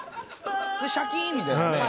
シャキーンみたいなね。